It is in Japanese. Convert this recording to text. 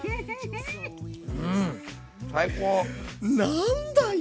なんだい